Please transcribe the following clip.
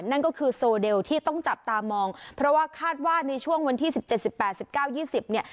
นั่นก็คือโซเดลที่ต้องจับตามองเพราะว่าคาดว่าในช่วงวันที่สิบเจ็ดสิบแปดสิบเก้ายี่สิบเนี่ย